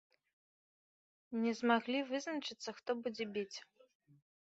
Не змаглі вызначыцца, хто будзе біць.